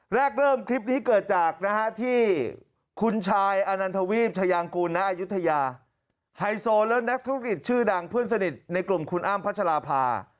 แรกเริ่มคลิปนี้เกิดจากที่คุณชายอนันทวีปชายางกูลณอายุทยาไฮโซและนักธุรกิจชื่อดังเพื่อนสนิทในกลุ่มคุณอ้ำพัชราภา